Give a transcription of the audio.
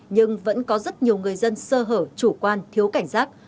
nhưng vẫn có rất nhiều người dân sơ hở chủ quan thiếu cảnh giác